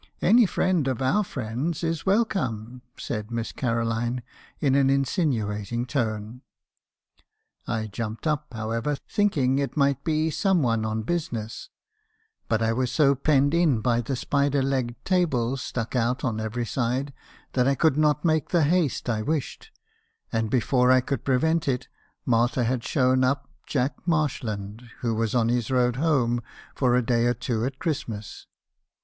me. Harrison's confessions. 269 "'Any friend of our friend's is welcome," said Miss Caroline, in an insinuating tone. "I jumped up, however, thinking it might be some one on business; but I was so penned in by the spider legged tables, stuck out on every side, that I could not make the haste I wished; and before I could prevent it, Martha had shown up Jack Marshland, who was on his road home for a day or two at Christmas.